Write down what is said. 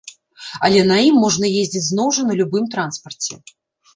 Але на ім можна ездзіць зноў жа на любым транспарце.